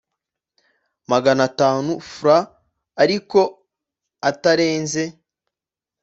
Magana atanu frw ariko atarenze